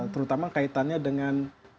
terutama kaitannya dengan